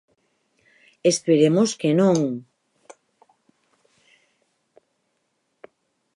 Esperemos que non....